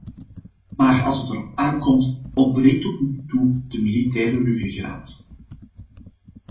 Maar als het erop aan komt, ontbreekt tot nu toe de militaire ruggengraat.